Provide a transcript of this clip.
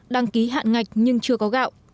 đăng ký hạn ngạch nhưng chưa có gạo